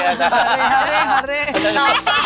ฮะเรฮะเรฮะเร